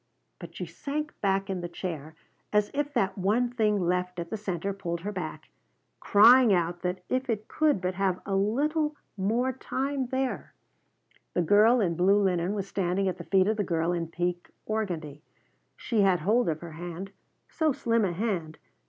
But she sank back in the chair, as if that one thing left at the center pulled her back, crying out that if it could but have a little more time there The girl in blue linen was sitting at the feet of the girl in pink organdie. She had hold of her hand, so slim a hand.